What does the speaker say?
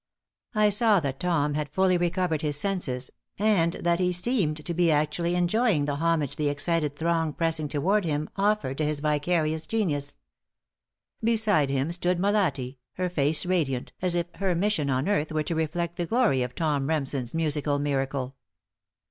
I saw that Tom had fully recovered his senses and that he seemed to be actually enjoying the homage the excited throng pressing toward him offered to his vicarious genius. Beside him stood Molatti, her face radiant, as if her mission on earth were to reflect the glory of Tom Remsen's musical miracle.